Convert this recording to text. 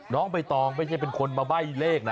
น้องใบตองไม่ใช่เป็นคนมาใบ้เลขนะ